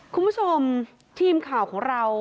คุณผู้ชมทีมข่าวของเรา